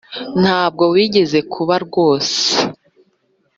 Ntabwo wigeze kuba rwose.